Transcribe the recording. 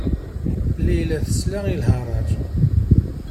Layla tesla i lharaǧ.